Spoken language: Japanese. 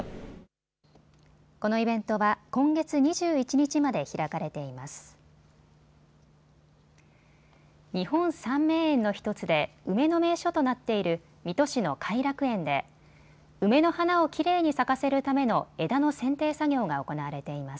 日本三名園の１つで梅の名所となっている水戸市の偕楽園で梅の花をきれいに咲かせるための枝のせんてい作業が行われています。